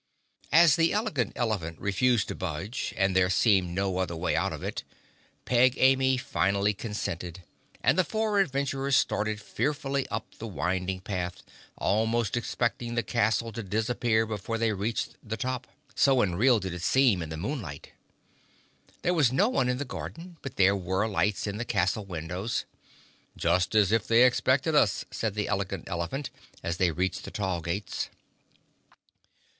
As the Elegant Elephant refused to budge and there seemed no other way out of it, Peg Amy finally consented and the four adventurers started fearfully up the winding path, almost expecting the castle to disappear before they reached the top, so unreal did it seem in the moonlight. There was no one in the garden but there were lights in the castle windows. "Just as if they expected us," said the Elegant Elephant, as they reached the tall gates.